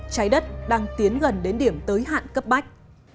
trái đất đang tiến gần đến điểm tới hạn cấp bách